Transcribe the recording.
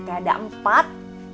teh ada empat